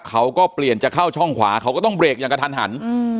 เขาก็เปลี่ยนจะเข้าช่องขวาเขาก็ต้องเรกอย่างกระทันหัน